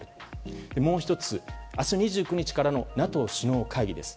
もう１つ、明日２９日からのＮＡＴＯ首脳会議です。